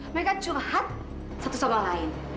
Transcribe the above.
mereka curhat satu sama lain